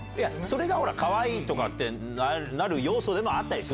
それがかわいい！とかってなる要素でもあったりする。